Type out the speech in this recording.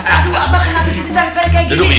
aduh abang kenapa sini tarik tarik kaya gini